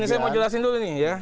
ini saya mau jelasin dulu nih ya